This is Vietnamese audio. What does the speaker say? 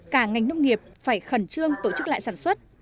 cả ngành nông nghiệp phải khẩn trương tổ chức lại sản xuất